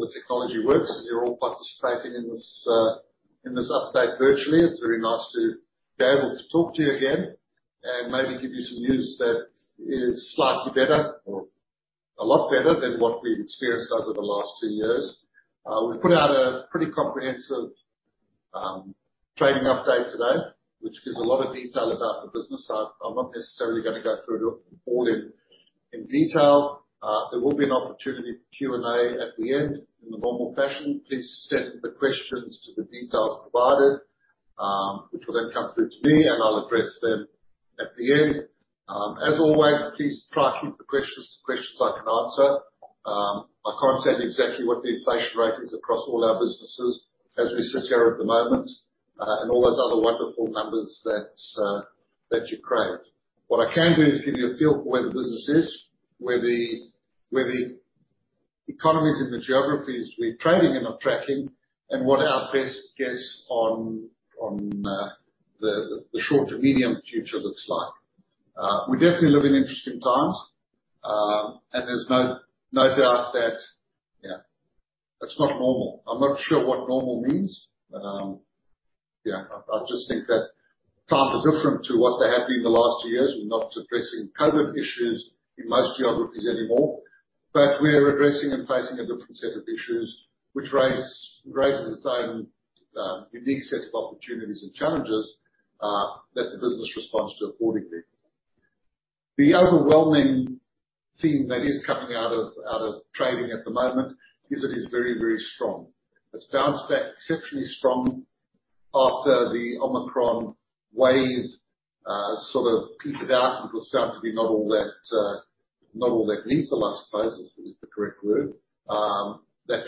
All the technology works, and you're all participating in this update virtually. It's very nice to be able to talk to you again and maybe give you some news that is slightly better or a lot better than what we've experienced over the last two years. We've put out a pretty comprehensive trading update today, which gives a lot of detail about the business. I'm not necessarily gonna go through it all in detail. There will be an opportunity for Q&A at the end in the normal fashion. Please send the questions to the details provided, which will then come through to me, and I'll address them at the end. As always, please try to keep the questions to questions I can answer. I can't tell you exactly what the inflation rate is across all our businesses as we sit here at the moment, and all those other wonderful numbers that you crave. What I can do is give you a feel for where the business is, where the economies in the geographies we're trading in are tracking and what our best guess on the short to medium future looks like. We definitely live in interesting times, and there's no doubt that, yeah, it's not normal. I'm not sure what normal means. Yeah, I just think that times are different to what they have been the last two years. We're not addressing COVID issues in most geographies anymore, but we are addressing and facing a different set of issues which raises its own unique set of opportunities and challenges that the business responds to accordingly. The overwhelming theme that is coming out of trading at the moment is it is very, very strong. It's bounced back exceptionally strong after the Omicron wave sort of petered out and was found to be not all that lethal, I suppose, is the correct word.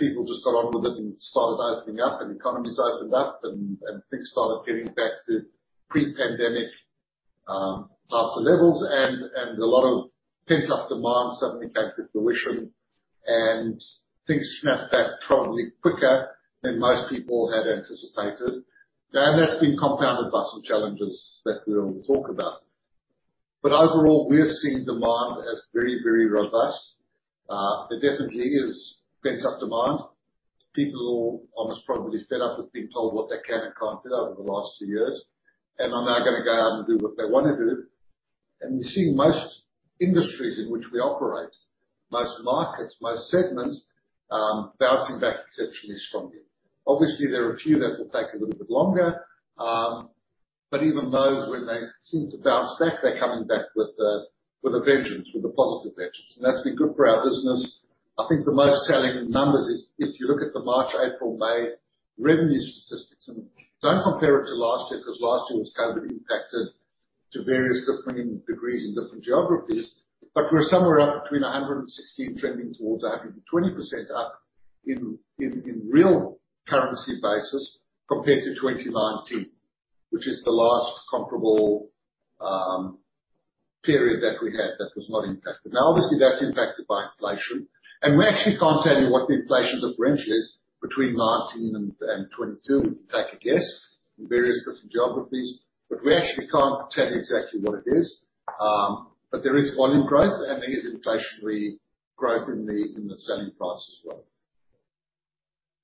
People just got on with it and started opening up, and economies opened up, and things started getting back to pre-pandemic types of levels. A lot of pent-up demand suddenly came to fruition and things snapped back probably quicker than most people had anticipated. That's been compounded by some challenges that we'll talk about. Overall, we're seeing demand as very, very robust. There definitely is pent-up demand. People are almost probably fed up with being told what they can and can't do over the last two years and are now gonna go out and do what they wanna do. We're seeing most industries in which we operate, most markets, most segments, bouncing back exceptionally strongly. Obviously, there are a few that will take a little bit longer. But even those, when they seem to bounce back, they're coming back with a vengeance, with a positive vengeance. That's been good for our business. I think the most telling numbers is if you look at the March, April, May revenue statistics, and don't compare it to last year, 'cause last year was COVID impacted to various differing degrees in different geographies. We're somewhere up between 116% trending towards 120% up in real currency basis compared to 2019, which is the last comparable period that we had that was not impacted. Now obviously, that's impacted by inflation, and we actually can't tell you what the inflation differential is between 2019 and 2022. We can take a guess in various different geographies, but we actually can't tell you exactly what it is. There is volume growth and there is inflationary growth in the selling price as well.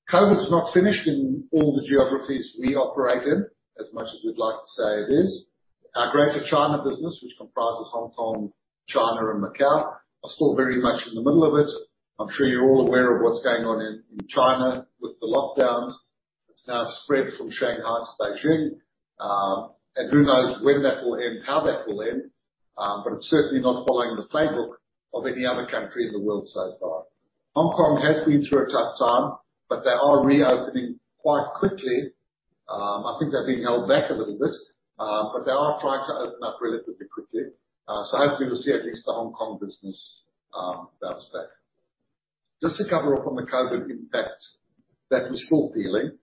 COVID's not finished in all the geographies we operate in, as much as we'd like to say it is. Our Greater China business, which comprises Hong Kong, China and Macau, are still very much in the middle of it. I'm sure you're all aware of what's going on in China with the lockdowns. It's now spread from Shanghai to Beijing. And who knows when that will end, how that will end. But it's certainly not following the playbook of any other country in the world so far. Hong Kong has been through a tough time, but they are reopening quite quickly. I think they're being held back a little bit, but they are trying to open up relatively quickly. So hopefully we'll see at least the Hong Kong business bounce back. Just to cover off on the COVID impact that we're still feeling.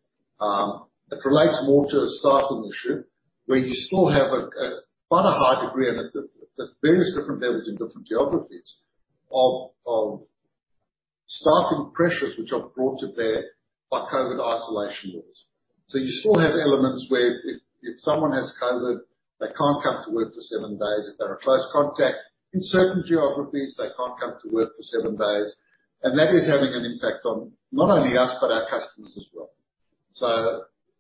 It relates more to a staffing issue where you still have quite a high degree, and it's at various different levels in different geographies of staffing pressures which are brought to bear by COVID isolation rules. You still have elements where if someone has COVID, they can't come to work for seven days. If they're a close contact in certain geographies, they can't come to work for seven days. That is having an impact on not only us, but our customers as well.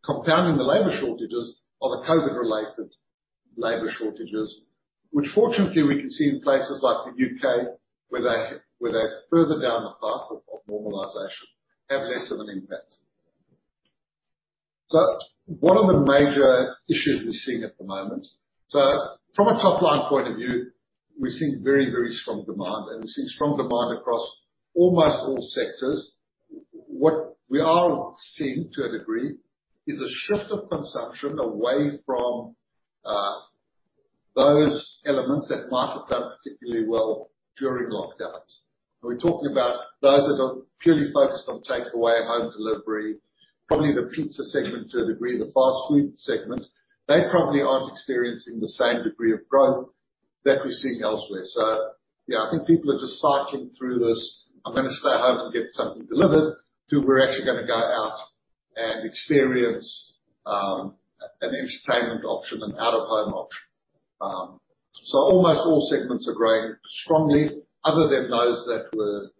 Compounding the labor shortages are the COVID-related labor shortages, which fortunately we can see in places like the U.K., where they're further down the path of normalization, have less of an impact. One of the major issues we're seeing at the moment. From a top-line point of view, we're seeing very, very strong demand, and we're seeing strong demand across almost all sectors. What we are seeing, to a degree, is a shift of consumption away from those elements that might have done particularly well during lockdowns. We're talking about those that are purely focused on takeaway, home delivery, probably the pizza segment to a degree, the fast food segment. They probably aren't experiencing the same degree of growth that we're seeing elsewhere. Yeah, I think people are just cycling through this, "I'm gonna stay at home and get something delivered," to, "We're actually gonna go out and experience an entertainment option, an out-of-home option." Almost all segments are growing strongly other than those that were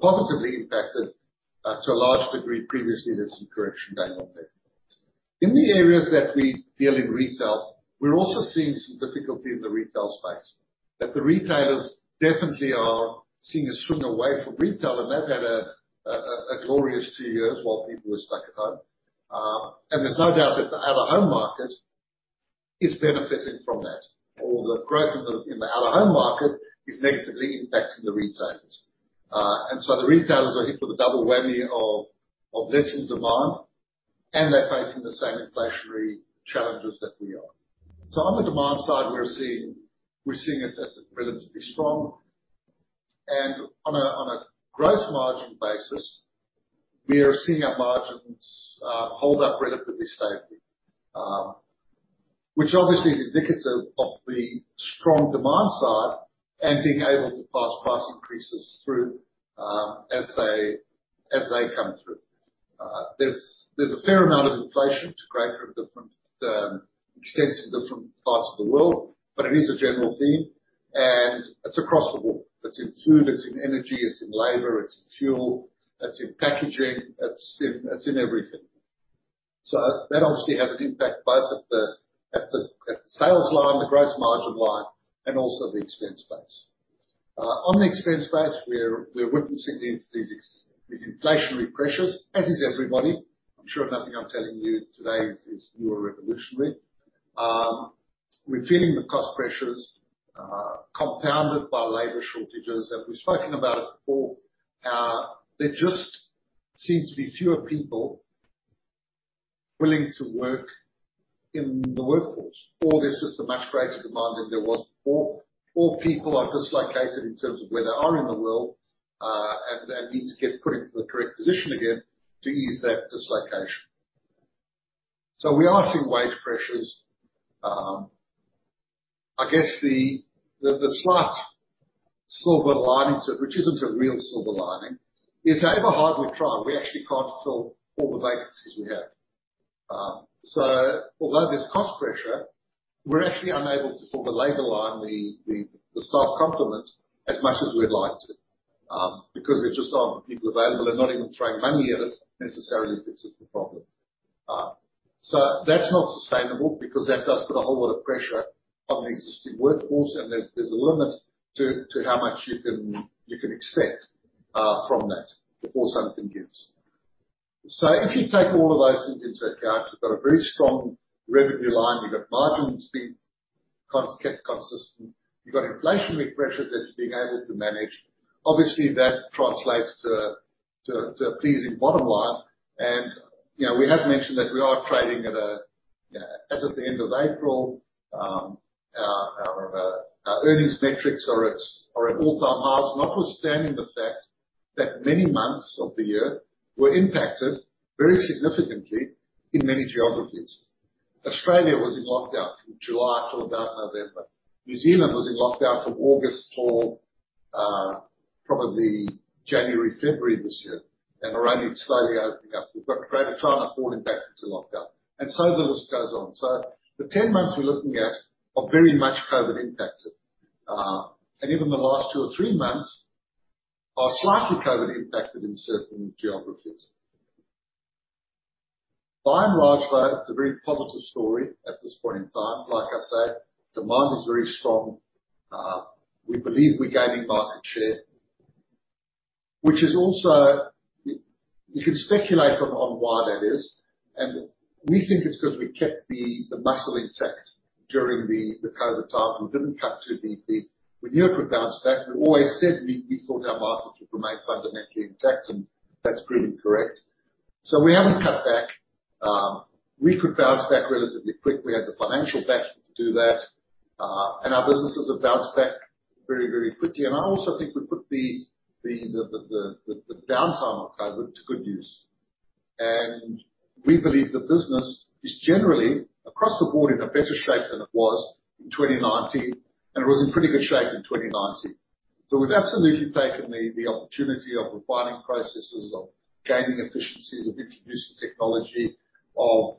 positively impacted to a large degree previously. There's some correction going on there. In the areas that we deal in retail, we're also seeing some difficulty in the retail space. That the retailers definitely are seeing a swing away from retail, and they've had a glorious two years while people were stuck at home. There's no doubt that the out-of-home market is benefiting from that or the growth in the out-of-home market is negatively impacting the retailers. The retailers are hit with a double whammy of lessened demand, and they're facing the same inflationary challenges that we are. On the demand side, we're seeing it as relatively strong. On a growth margin basis, we are seeing our margins hold up relatively stably. which obviously is indicative of the strong demand side and being able to pass price increases through, as they come through. There's a fair amount of inflation to greater or different extents in different parts of the world, but it is a general theme, and it's across the board. It's in food, it's in energy, it's in labor, it's in fuel, it's in packaging, it's in everything. That obviously has an impact both at the sales line, the gross margin line, and also the expense base. On the expense base, we're witnessing these inflationary pressures, as is everybody. I'm sure nothing I'm telling you today is new or revolutionary. We're feeling the cost pressures, compounded by labor shortages. We've spoken about it before. There just seems to be fewer people willing to work in the workforce or there's just a much greater demand than there was before or people are dislocated in terms of where they are in the world, and they need to get put into the correct position again to ease that dislocation. We are seeing wage pressures. I guess the slight silver lining to it, which isn't a real silver lining, is however hard we try, we actually can't fill all the vacancies we have. Although there's cost pressure, we're actually unable to, from a labor line, the staff complement as much as we'd like to, because there just aren't people available and not even throwing money at it necessarily fixes the problem. That's not sustainable because that does put a whole lot of pressure on the existing workforce. There's a limit to how much you can expect from that before something gives. If you take all of those things into account, you've got a very strong revenue line. You've got margins being kept consistent. You've got inflationary pressures that you're being able to manage. Obviously, that translates to a pleasing bottom line. You know, we have mentioned that we are trading at a, as of the end of April, our earnings metrics are at all-time highs, notwithstanding the fact that many months of the year were impacted very significantly in many geographies. Australia was in lockdown from July till about November. New Zealand was in lockdown from August till probably January, February this year, and are only slowly opening up. We've got Greater China falling back into lockdown and so the list goes on. The 10 months we're looking at are very much COVID impacted. Even the last two or three months are slightly COVID impacted in certain geographies. By and large, though, it's a very positive story at this point in time. Like I say, demand is very strong. We believe we're gaining market share, which is also. You can speculate on why that is. We think it's 'cause we kept the muscle intact during the COVID time. We didn't cut too deep. We knew it would bounce back. We always said we thought our market would remain fundamentally intact, and that's proving correct. We haven't cut back. We could bounce back relatively quickly. We had the financial backing to do that. Our businesses have bounced back very, very quickly. I also think we put the downtime of COVID to good use. We believe the business is generally across the board in a better shape than it was in 2019, and it was in pretty good shape in 2019. We've absolutely taken the opportunity of refining processes, of gaining efficiencies, of introducing technology, of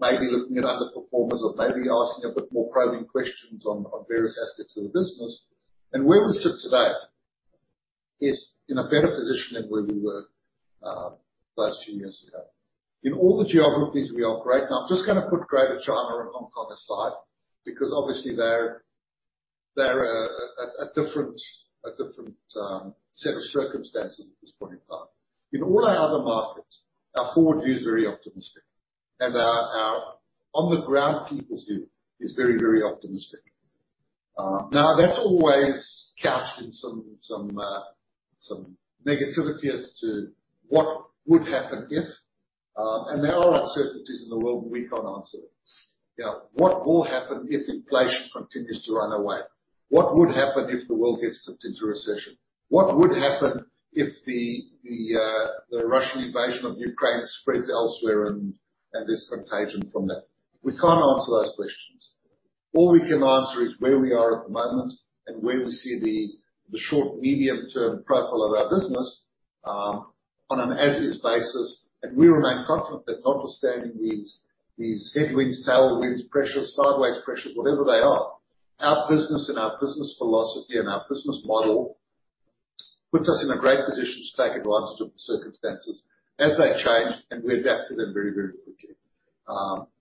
maybe looking at underperformers or maybe asking a bit more probing questions on various aspects of the business. Where we sit today is in a better position than where we were those two years ago. In all the geographies we operate, and I'm just gonna put Greater China and Hong Kong aside because obviously they're a different set of circumstances at this point in time. In all our other markets, our forward view is very optimistic, and our on-the-ground people's view is very optimistic. Now that's always couched in some negativity as to what would happen if. There are uncertainties in the world we can't answer. You know, what will happen if inflation continues to run away? What would happen if the world gets tipped into recession? What would happen if the Russian invasion of Ukraine spreads elsewhere and there's contagion from that? We can't answer those questions. All we can answer is where we are at the moment and where we see the short, medium-term profile of our business, on an as-is basis. We remain confident that notwithstanding these headwinds, tailwinds, pressures, sideways pressures, whatever they are, our business and our business philosophy and our business model puts us in a great position to take advantage of the circumstances as they change, and we adapt to them very, very quickly.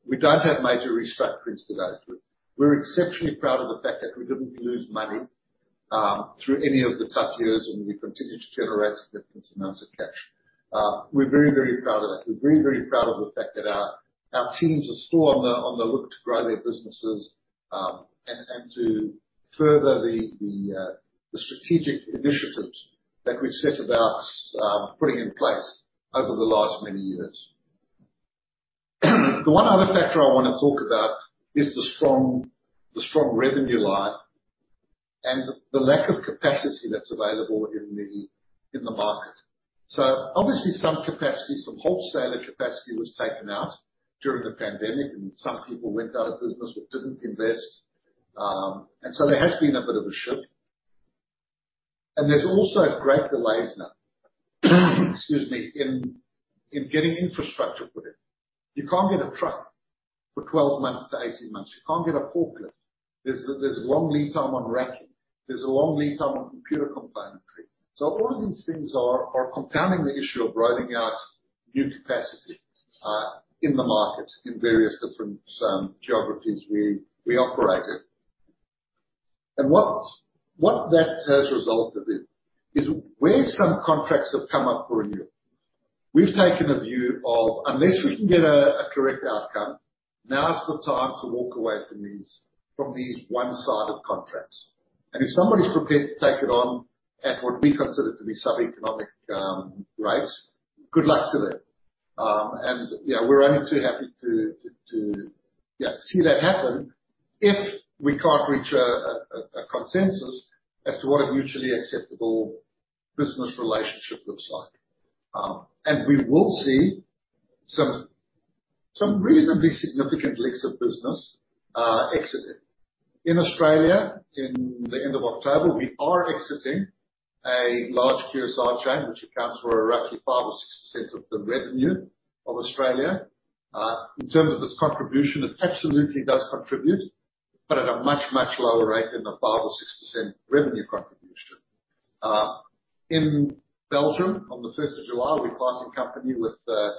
We don't have major restructurings to go through. We're exceptionally proud of the fact that we didn't lose money through any of the tough years, and we continued to generate significant amounts of cash. We're very, very proud of that. We're very proud of the fact that our teams are still on the lookout to grow their businesses, and to further the strategic initiatives that we've set about putting in place over the last many years. The one other factor I wanna talk about is the strong revenue line and the lack of capacity that's available in the market. Obviously some wholesaler capacity was taken out during the pandemic and some people went out of business or didn't invest. There has been a bit of a shift. There's also great delays now, excuse me, in getting infrastructure put in. You can't get a truck for 12 months to 18 months. You can't get a forklift. There's long lead time on racking. There's a long lead time on computer componentry. All of these things are compounding the issue of rolling out new capacity in the market in various different geographies we operate in. What that has resulted in is where some contracts have come up for renewal, we've taken a view of, unless we can get a correct outcome, now is the time to walk away from these one-sided contracts. If somebody's prepared to take it on at what we consider to be sub-economic rates, good luck to them. You know, we're only too happy to see that happen if we can't reach a consensus as to what a mutually acceptable business relationship looks like. We will see some reasonably significant leaks of business exiting. In Australia in the end of October, we are exiting a large QSR chain which accounts for roughly 5% or 6% of the revenue of Australia. In terms of its contribution, it absolutely does contribute, but at a much, much lower rate than the 5% or 6% revenue contribution. In Belgium on the first of July, we parted company with a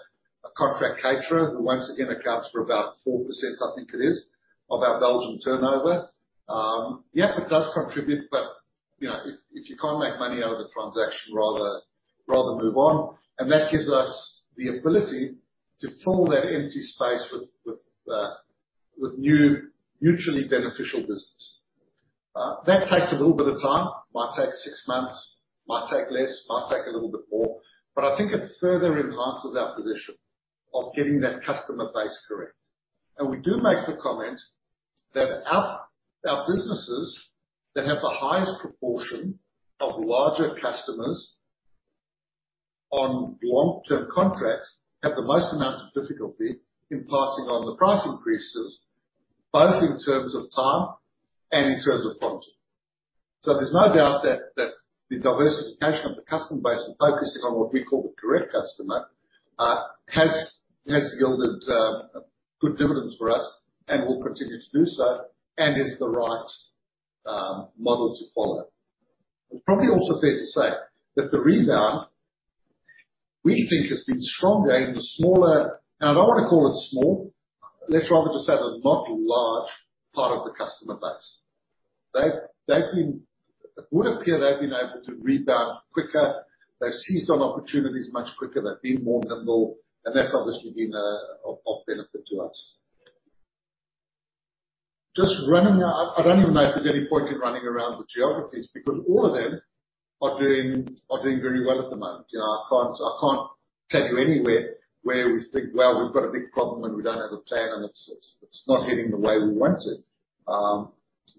contract caterer who once again accounts for about 4%, I think it is, of our Belgian turnover. It does contribute, but you know, if you can't make money out of the transaction, rather move on. That gives us the ability to fill that empty space with new mutually beneficial business. That takes a little bit of time. Might take 6 months, might take less, might take a little bit more. I think it further enhances our position of getting that customer base correct. We do make the comment that our businesses that have the highest proportion of larger customers on long-term contracts have the most amount of difficulty in passing on the price increases, both in terms of time and in terms of margin. There's no doubt that the diversification of the customer base and focusing on what we call the correct customer has yielded good dividends for us and will continue to do so, and is the right model to follow. It's probably also fair to say that the rebound we think has been stronger in the smaller. Now, I don't wanna call it small. Let's rather just say the not large part of the customer base. It would appear they've been able to rebound quicker. They've seized on opportunities much quicker. They've been more nimble, and that's obviously been of benefit to us. I don't even know if there's any point in running around the geographies because all of them are doing very well at the moment. You know, I can't take you anywhere where we think, "Well, we've got a big problem and we don't have a plan, and it's not heading the way we want it."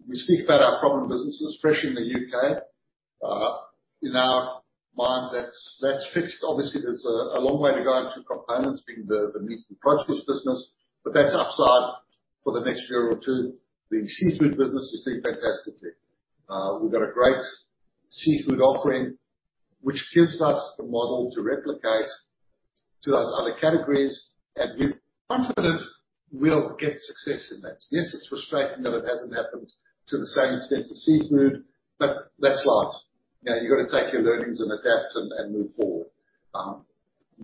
We speak about our problem businesses, Fresh in the U.K. In our mind, that's fixed. Obviously, there's a long way to go in the components being the meat and produce business, but that's upside for the next year or two. The seafood business is doing fantastically. We've got a great seafood offering, which gives us the model to replicate to those other categories and we're confident we'll get success in that. Yes, it's frustrating that it hasn't happened to the same extent as seafood, but that's life. You know, you gotta take your learnings and adapt and move forward.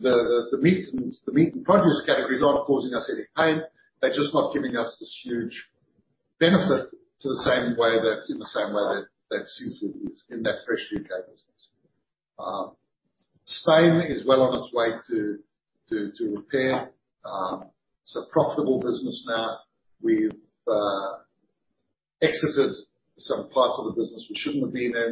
The meat and produce categories are not causing us any pain. They're just not giving us this huge benefit in the same way that seafood is in that fresh U.K. business. Spain is well on its way to repair. It's a profitable business now. We've exited some parts of the business we shouldn't have been in.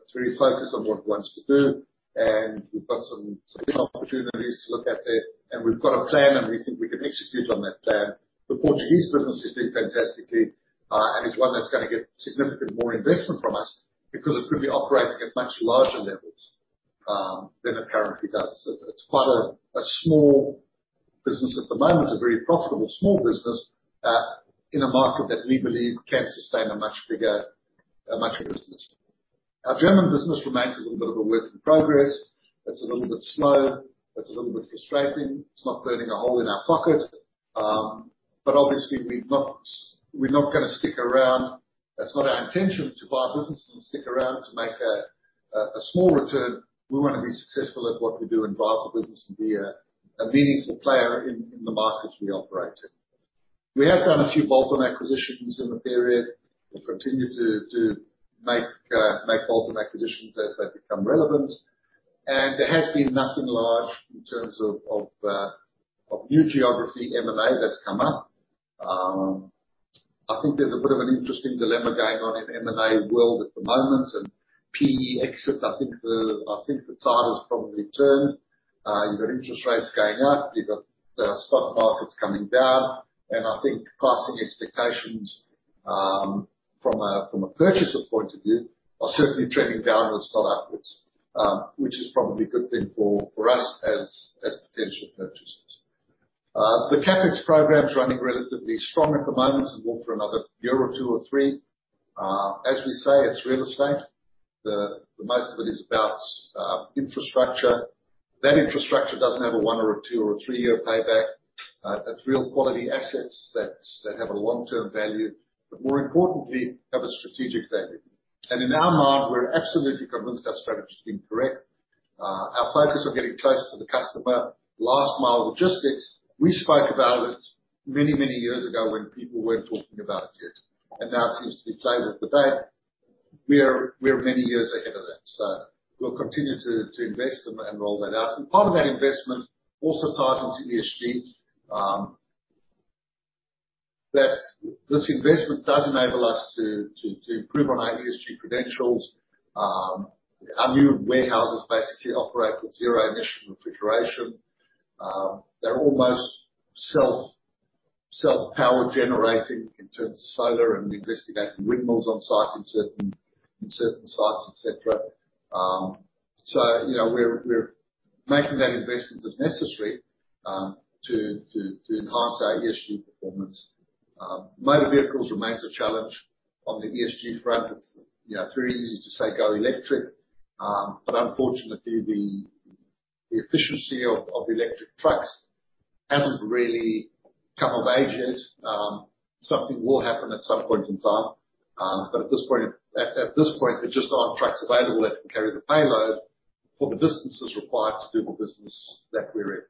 It's really focused on what it wants to do, and we've got some big opportunities to look at there. We've got a plan, and we think we can execute on that plan. The Portuguese business is doing fantastically, and it's one that's gonna get significant more investment from us because it could be operating at much larger levels than it currently does. It's quite a small business at the moment, a very profitable small business, in a market that we believe can sustain a much bigger business. Our German business remains a little bit of a work in progress. It's a little bit slow. It's a little bit frustrating. It's not burning a hole in our pocket. Obviously we're not gonna stick around. It's not our intention to buy a business and stick around to make a small return. We wanna be successful at what we do and buy the business and be a meaningful player in the markets we operate in. We have done a few bolt-on acquisitions in the period. We'll continue to make bolt-on acquisitions as they become relevant. There has been nothing large in terms of new geography M&A that's come up. I think there's a bit of an interesting dilemma going on in M&A world at the moment. PE exits, I think the tide has probably turned. You've got interest rates going up. You've got stock markets coming down. I think pricing expectations from a purchaser point of view are certainly trending downwards, not upwards, which is probably a good thing for us as potential purchasers. The CapEx program's running relatively strong at the moment. It will for another year or two or three. As we say, it's real estate. The most of it is about infrastructure. That infrastructure doesn't have a one or a two or a three-year payback. That's real quality assets that have a long-term value, but more importantly, have a strategic value. In our mind, we're absolutely convinced our strategy's been correct. Our focus on getting close to the customer, last mile logistics. We spoke about it many, many years ago when people weren't talking about it yet, and now it seems to be flavor of the day. We are many years ahead of that. We'll continue to invest and roll that out. Part of that investment also ties into ESG. that this investment does enable us to improve on our ESG credentials. Our new warehouses basically operate with zero-emission refrigeration. They're almost self-power-generating in terms of solar and investigating windmills on-site in certain sites, et cetera. You know, we're making that investment as necessary to enhance our ESG performance. Motor vehicles remains a challenge on the ESG front. It's, you know, it's very easy to say go electric. Unfortunately the efficiency of electric trucks haven't really come of age yet. Something will happen at some point in time. At this point, there just aren't trucks available that can carry the payload for the distances required to do the business that we're in.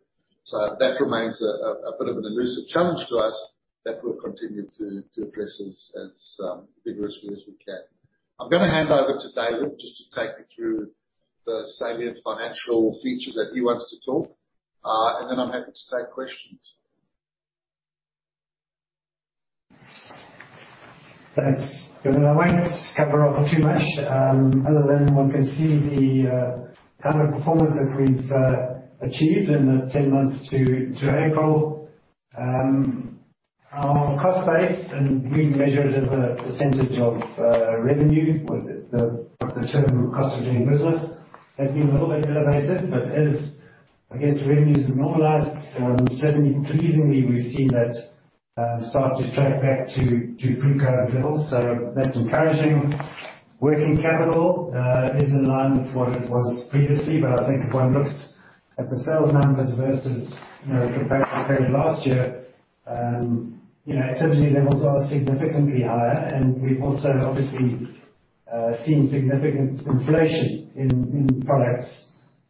That remains a bit of an elusive challenge to us that we'll continue to address as vigorously as we can. I'm gonna hand over to David just to take you through the salient financial features that he wants to talk, and then I'm happy to take questions. Thanks, Bernard. I won't cover off too much, other than one can see the kind of performance that we've achieved in the 10 months to April. Our cost base, and we measure it as a percentage of revenue with the term cost of doing business, has been a little bit elevated. As I guess, revenues normalize, certainly pleasingly we've seen that start to track back to pre-COVID levels. That's encouraging. Working capital is in line with what it was previously. I think if one looks at the sales numbers versus, you know, compared to the period last year, you know, activity levels are significantly higher. We've also obviously seen significant inflation in products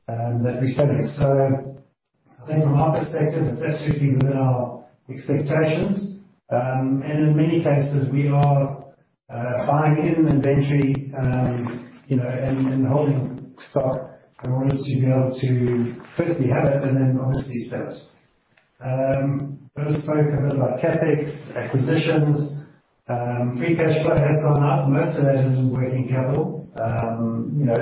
that we stock. I think from our perspective, that's sitting within our expectations. In many cases, we are buying in inventory, you know, and holding stock in order to be able to firstly have it and then obviously sell it. Bernard spoke a bit about CapEx, acquisitions. Free cash flow has gone up. Most of that is in working capital. You know,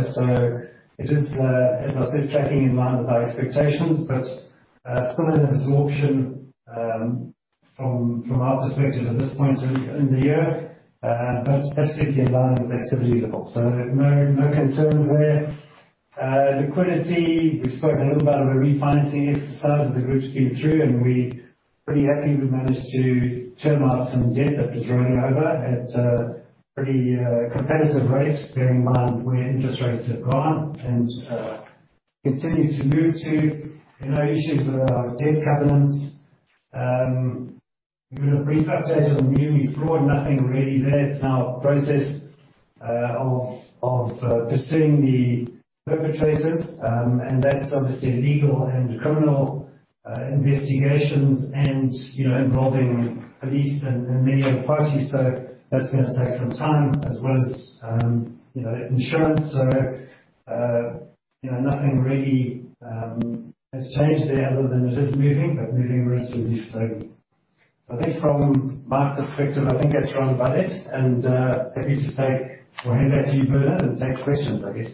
it is as I said, tracking in line with our expectations, but still an absorption from our perspective at this point in the year. That's simply in line with activity levels. No concerns there. Liquidity, we spoke a little about the refinancing exercise that the group's been through. We're pretty happy we managed to term out some debt that was rolling over at a pretty competitive rate, bearing in mind where interest rates have gone and continue to move to. No issues with our debt covenants. We give a brief update on the Miumi fraud. Nothing really there. It's now a process of pursuing the perpetrators. And that's obviously legal and criminal investigations and, you know, involving police and many other parties. That's gonna take some time as well as, you know, insurance. Nothing really has changed there other than it is moving, but moving relatively slowly. I think from my perspective that's around about it, and happy to take questions. We'll hand back to you, Bernard, and take questions, I guess.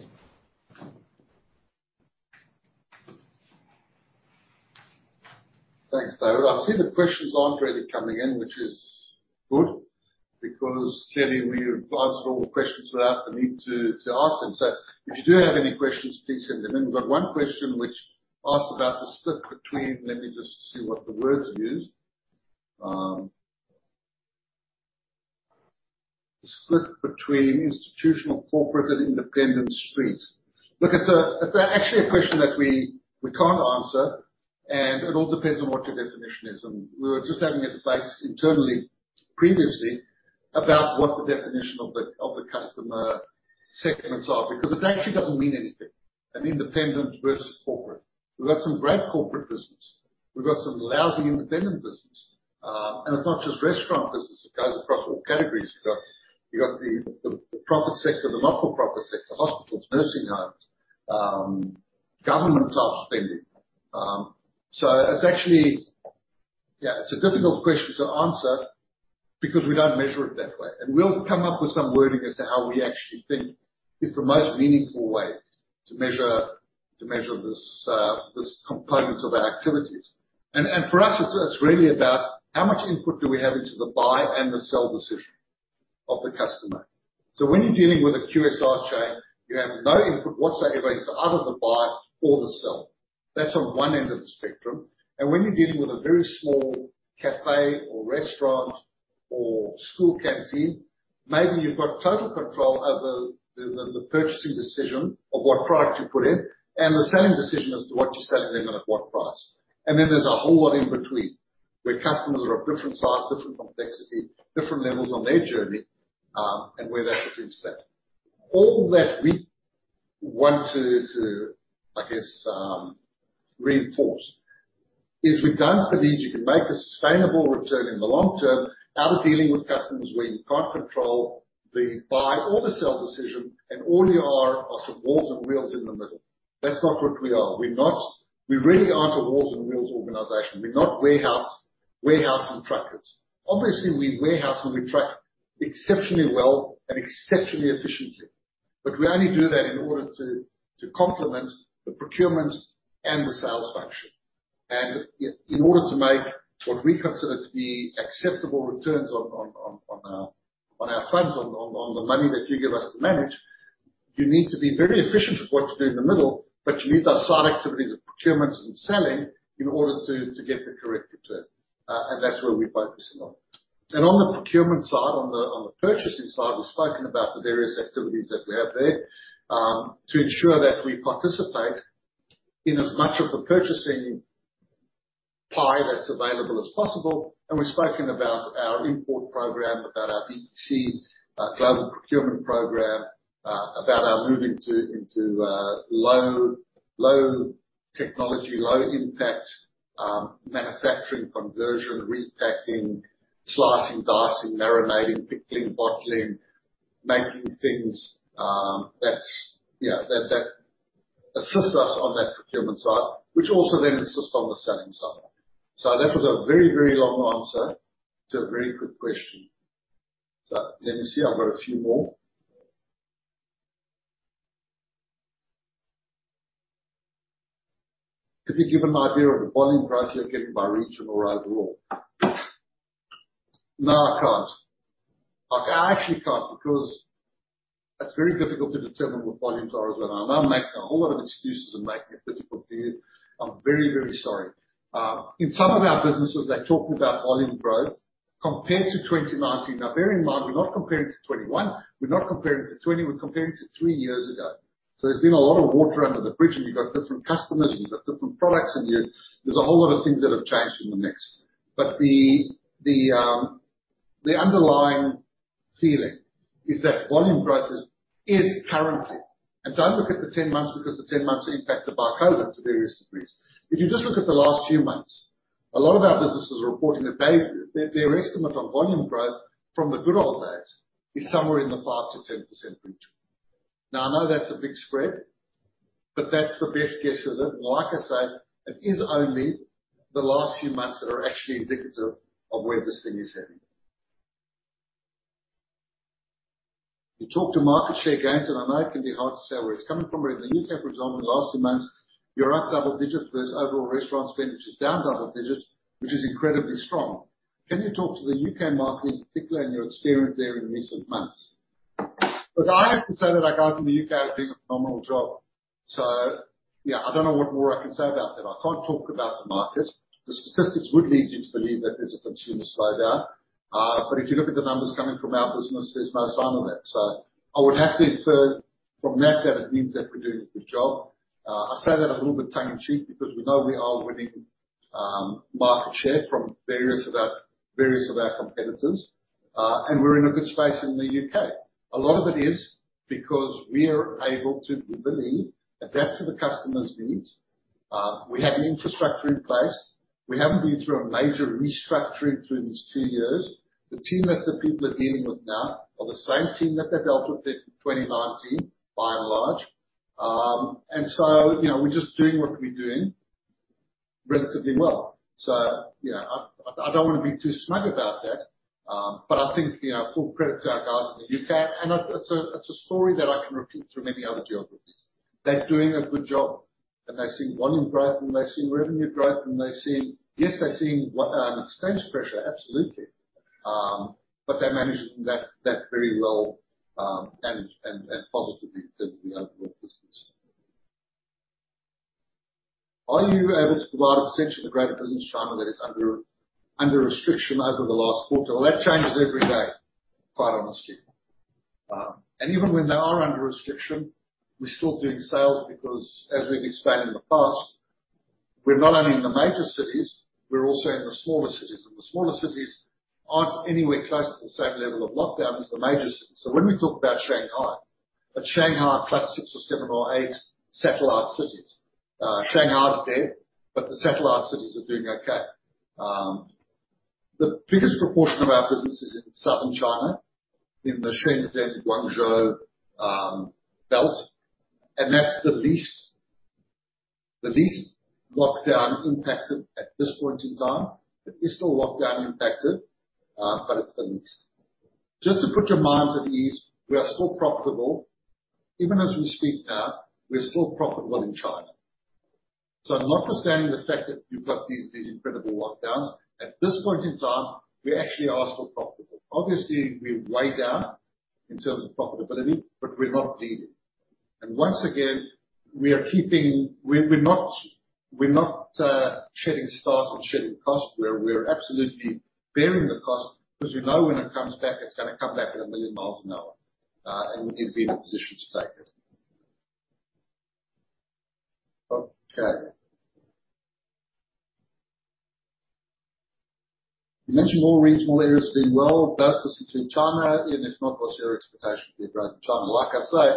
Thanks, David. I see the questions aren't really coming in, which is good because clearly we've answered all the questions without the need to ask them. If you do have any questions, please send them in. We've got one question which asks about the split between institutional, corporate, and independent streets. Let me just see what the words used. The split between institutional, corporate, and independent streets. Look, it's actually a question that we can't answer, and it all depends on what your definition is. We were just having a debate internally previously about what the definition of the customer segments are, because it actually doesn't mean anything, an independent versus corporate. We've got some great corporate business. We've got some lousy independent business. It's not just restaurant business. It goes across all categories. You got the for-profit sector, the not-for-profit sector, hospitals, nursing homes, government spending. It's actually a difficult question to answer because we don't measure it that way. We'll come up with some wording as to how we actually think is the most meaningful way to measure this component of our activities. For us, it's really about how much input do we have into the buy and the sell decision of the customer. When you're dealing with a QSR chain, you have no input whatsoever into either the buy or the sell. That's on one end of the spectrum. When you're dealing with a very small café or restaurant or school canteen, maybe you've got total control over the purchasing decision of what product you put in and the selling decision as to what you sell to them and at what price. Then there's a whole lot in between, where customers are of different size, different complexity, different levels on their journey, and where that fits that. All that we want to I guess reinforce is we don't believe you can make a sustainable return in the long term out of dealing with customers where you can't control the buy or the sell decision, and all you are are some walls and wheels in the middle. That's not what we are. We really aren't a walls and wheels organization. We're not warehouse and truckers. Obviously, we warehouse and we truck exceptionally well and exceptionally efficiently, but we only do that in order to complement the procurement and the sales function. In order to make what we consider to be acceptable returns on our funds, on the money that you give us to manage, you need to be very efficient with what we do in the middle, but you need those side activities of procurement and selling in order to get the correct return. That's where we're focusing on. On the procurement side, on the purchasing side, we've spoken about the various activities that we have there to ensure that we participate in as much of the purchasing pie that's available as possible. We've spoken about our import program, about our BEC, global procurement program, about our move into low technology, low impact manufacturing, conversion, repacking, slicing, dicing, marinating, pickling, bottling, making things that you know that assist us on that procurement side, which also then assists on the selling side. That was a very, very long answer to a very quick question. Let me see. I've got a few more. Could you give an idea of the volume price you're getting by region or overall? No, I can't. Like, I actually can't because that's very difficult to determine what volumes are as well. I know I'm making a whole lot of excuses and making it difficult for you. I'm very, very sorry. In some of our businesses, they're talking about volume growth compared to 2019. Now bear in mind we're not comparing to 2021. We're not comparing to 2020. We're comparing to three years ago. There's been a lot of water under the bridge, and you've got different customers and you've got different products. There's a whole lot of things that have changed in the mix. The underlying feeling is that volume growth is currently. Don't look at the 10 months because the 10 months are impacted by COVID to various degrees. If you just look at the last few months, a lot of our businesses are reporting that their estimate on volume growth from the good old days is somewhere in the 5%-10% range. Now, I know that's a big spread, but that's the best guess of it. Like I say, it is only the last few months that are actually indicative of where this thing is heading. You talked to market share gains, and I know it can be hard to say where it's coming from. In the U.K., for example, in the last few months, you're up double digits versus overall restaurant spend, which is down double digits, which is incredibly strong. Can you talk to the U.K. market in particular and your experience there in recent months? Look, I have to say that our guys in the U.K. are doing a phenomenal job. Yeah, I don't know what more I can say about that. I can't talk about the market. The statistics would lead you to believe that there's a consumer slowdown. If you look at the numbers coming from our business, there's no sign of it. I would have to infer from that it means that we're doing a good job. I say that a little bit tongue in cheek because we know we are winning market share from various of our competitors, and we're in a good space in the U.K. A lot of it is because we are able to innovate, adapt to the customer's needs. We have the infrastructure in place. We haven't been through a major restructuring through these two years. The team that the people are dealing with now are the same team that they dealt with in 2019, by and large. You know, we're just doing what we're doing relatively well. You know, I don't wanna be too smug about that. But I think, you know, full credit to our guys in the U.K. It's a story that I can repeat through many other geographies. They're doing a good job. They're seeing volume growth, and they're seeing revenue growth, and they're seeing expense pressure. Absolutely. But they're managing that very well, and positively in terms of the overall business. Are you able to provide a percentage of the greater business in China that is under restriction over the last quarter? Well, that changes every day, quite honestly. And even when they are under restriction, we're still doing sales because as we've explained in the past, we're not only in the major cities, we're also in the smaller cities. The smaller cities aren't anywhere close to the same level of lockdown as the major cities. When we talk about Shanghai plus six or seven or eight satellite cities. Shanghai is dead, but the satellite cities are doing okay. The biggest proportion of our business is in southern China, in the Shenzhen, Guangzhou, belt, and that's the least lockdown impacted at this point in time. It is still lockdown impacted, but it's the least. Just to put your minds at ease, we are still profitable. Even as we speak now, we're still profitable in China. Notwithstanding the fact that you've got these incredible lockdowns, at this point in time, we actually are still profitable. Obviously, we're way down in terms of profitability, but we're not bleeding. Once again, we're not shedding staff or shedding costs. We are absolutely bearing the cost because we know when it comes back, it's gonna come back at a million miles an hour, and we need to be in a position to take it. Okay. You mentioned all regional areas are doing well. Does this include China, even if not, what's your expectation for your growth in China? Like I say,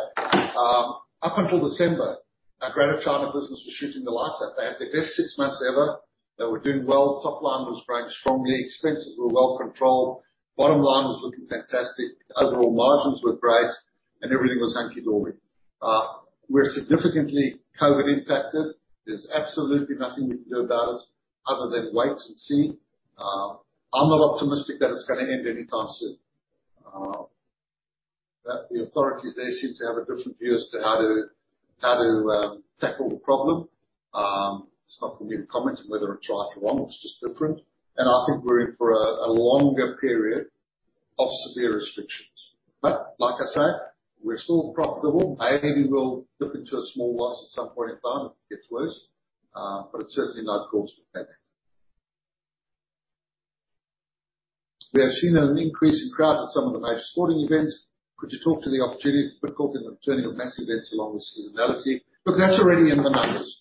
up until December, our Greater China business was shooting the lights out. They had their best six months ever. They were doing well. Top line was growing strongly. Expenses were well controlled. Bottom line was looking fantastic. Overall margins were great, and everything was hunky-dory. We're significantly COVID impacted. There's absolutely nothing we can do about it other than wait and see. I'm not optimistic that it's gonna end anytime soon. The authorities there seem to have a different view as to how to tackle the problem. It's not for me to comment on whether it's right or wrong. It's just different. I think we're in for a longer period of severe restrictions. Like I say, we're still profitable. Maybe we'll dip into a small loss at some point in time if it gets worse, but it's certainly no cause for panic. We have seen an increase in crowds at some of the major sporting events. Could you talk to the return of mass events along with seasonality? Look, that's already in the numbers.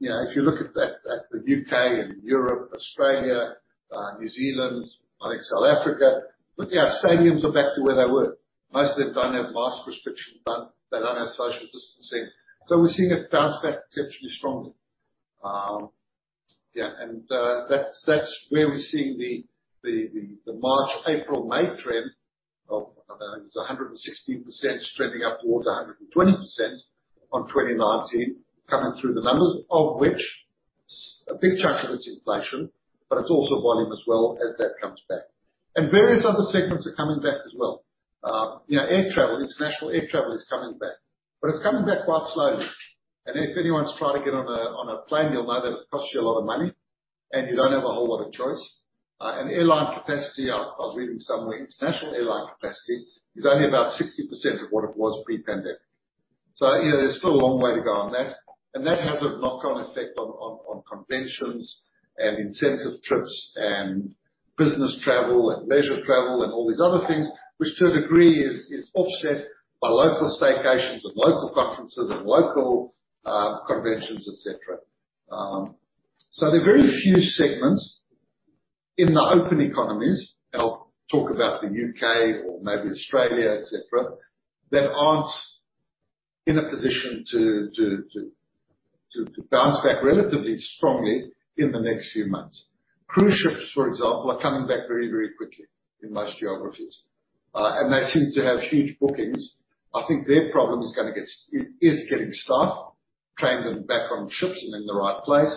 You know, if you look at that, at the U.K. and Europe, Australia, New Zealand, I think South Africa. Look, our stadiums are back to where they were. Most of them don't have mask restrictions done. They don't have social distancing. We're seeing it bounce back potentially strongly. That's where we're seeing the March, April, May trend of, I don't know, it was 116% trending upwards, 120% on 2019 coming through the numbers of which a big chunk of it's inflation, but it's also volume as well as that comes back. Various other segments are coming back as well. You know, air travel, international air travel is coming back, but it's coming back quite slowly. If anyone's tried to get on a plane, you'll know that it costs you a lot of money, and you don't have a whole lot of choice. Airline capacity, I was reading somewhere, international airline capacity is only about 60% of what it was pre-pandemic. You know, there's still a long way to go on that. That has a knock-on effect on conventions and incentive trips and business travel and leisure travel and all these other things, which to a degree is offset by local staycations and local conferences and local conventions, et cetera. There are very few segments in the open economies, and I'll talk about the U.K. or maybe Australia, et cetera, that aren't in a position to bounce back relatively strongly in the next few months. Cruise ships, for example, are coming back very quickly in most geographies. They seem to have huge bookings. I think their problem is gonna get. is getting staff, training them back on ships and in the right place.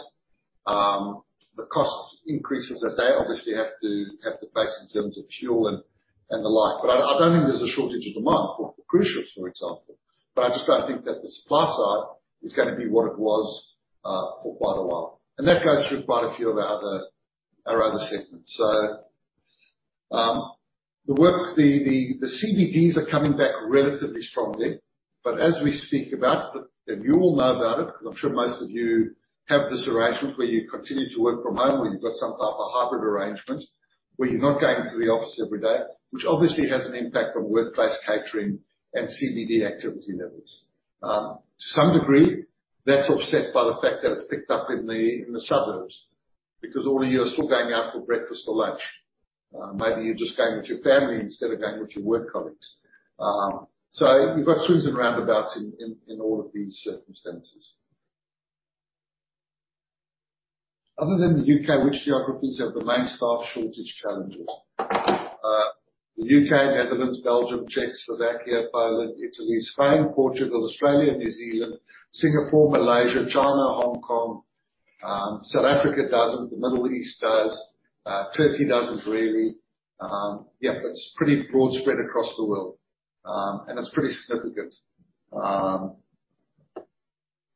The cost increases that they obviously have to face in terms of fuel and the like. I don't think there's a shortage of demand for cruise ships, for example. I just don't think that the supply side is gonna be what it was for quite a while. That goes through quite a few of our other segments. The CBDs are coming back relatively strongly. As we speak about, and you all know about it, because I'm sure most of you have this arrangement where you continue to work from home, or you've got some type of hybrid arrangement where you're not going into the office every day, which obviously has an impact on workplace catering and CBD activity levels. To some degree, that's offset by the fact that it's picked up in the suburbs because all of you are still going out for breakfast or lunch. Maybe you're just going with your family instead of going with your work colleagues. You've got pros and cons in all of these circumstances. Other than the U.K., which geographies have the main staff shortage challenges? The U.K., Netherlands, Belgium, Czech Republic, Poland, Italy, Spain, Portugal, Australia, New Zealand, Singapore, Malaysia, China, Hong Kong. South Africa doesn't. The Middle East does. Turkey doesn't really. Yeah, it's pretty broadly spread across the world. It's pretty significant.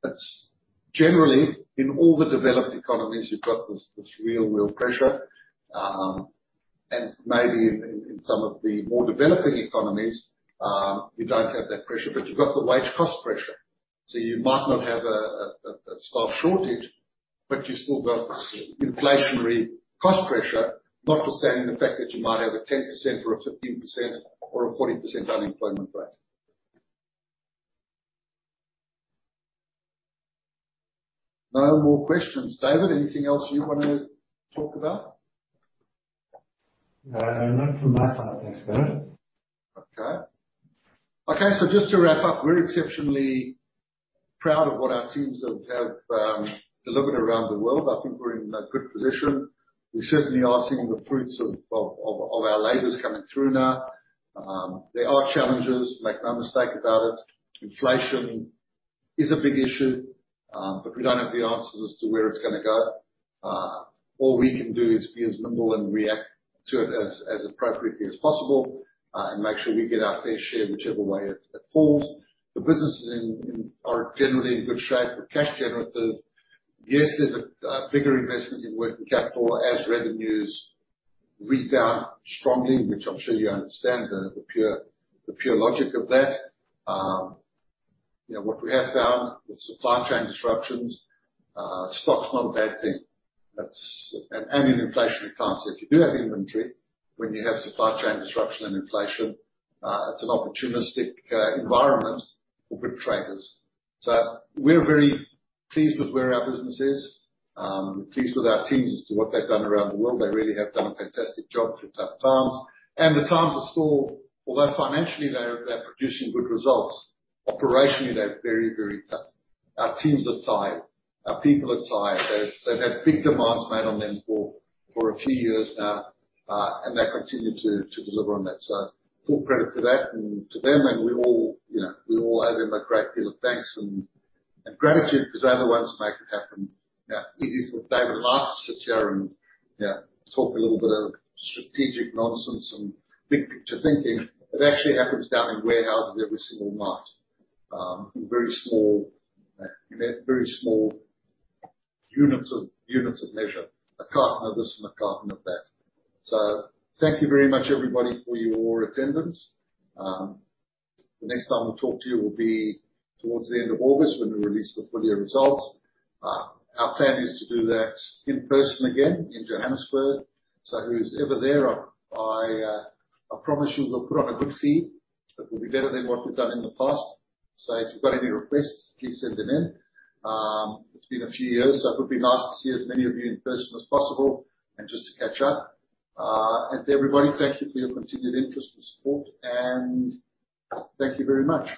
That's generally in all the developed economies. You've got this real world pressure. Maybe in some of the more developing economies, you don't have that pressure, but you've got the wage cost pressure. You might not have a staff shortage, but you still got inflationary cost pressure, notwithstanding the fact that you might have a 10% or a 15% or a 40% unemployment rate. No more questions. David, anything else you wanna talk about? No, not from my side. Thanks, Bernard. Okay. Okay, just to wrap up, we're exceptionally proud of what our teams have delivered around the world. I think we're in a good position. We certainly are seeing the fruits of our labors coming through now. There are challenges, make no mistake about it. Inflation is a big issue, but we don't have the answers as to where it's gonna go. All we can do is be as nimble and react to it as appropriately as possible, and make sure we get our fair share whichever way it falls. The businesses are generally in good shape. We're cash generative. Yes, there's a bigger investment in working capital as revenues rebound strongly, which I'm sure you understand the pure logic of that. You know, what we have found with supply chain disruptions, stock's not a bad thing. That's. In inflationary times, if you do have inventory, when you have supply chain disruption and inflation, it's an opportunistic environment for good traders. We're very pleased with where our business is. We're pleased with our teams as to what they've done around the world. They really have done a fantastic job through tough times. The times are still tough. Although financially they're producing good results, operationally, they're very, very tough. Our teams are tired, our people are tired. They've had big demands made on them for a few years now, and they continue to deliver on that. Full credit to that and to them, and we all, you know, we all owe them a great deal of thanks and gratitude 'cause they're the ones making it happen. Now, it is what David and I sit here and, you know, talk a little bit of strategic nonsense and big picture thinking. It actually happens down in warehouses every single night, in very small, you know, very small units of measure. A carton of this and a carton of that. Thank you very much everybody for your attendance. The next time we'll talk to you will be towards the end of August when we release the full year results. Our plan is to do that in person again in Johannesburg. Whoever's there, I promise you we'll put on a good feed. It will be better than what we've done in the past. If you've got any requests, please send them in. It's been a few years, so it would be nice to see as many of you in person as possible and just to catch up. To everybody, thank you for your continued interest and support, and thank you very much.